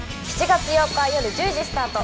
７月８日よる１０時スタート